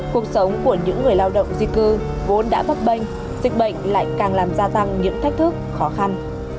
cuộc sống của những người lao động di cư vốn đã bấp bênh dịch bệnh lại càng làm gia tăng những thách thức khó khăn